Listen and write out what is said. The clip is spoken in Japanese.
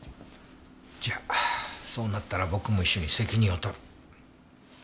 じゃそうなったら僕も一緒に責任を取る。